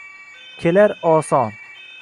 kelar oson